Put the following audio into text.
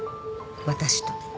私と。